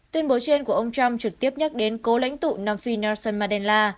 tuyên bố trên của ông trump trực tiếp nhắc đến cố lãnh tụ nam phi nelson mandela